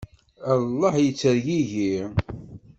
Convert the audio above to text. Allah yettergigi!